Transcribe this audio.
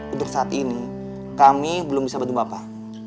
untuk saat ini kami belum bisa bantu bapak